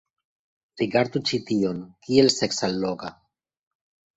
Rigardu ĉi tion. Kiel seksalloga.